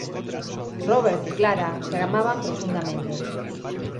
Robert y Clara se amaban profundamente.